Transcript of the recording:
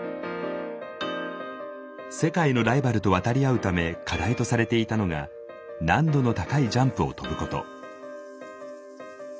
世界のライバルと渡り合うため課題とされていたのが難度の高いジャンプを跳ぶこと。